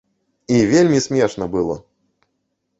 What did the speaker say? І вельмі смешна было!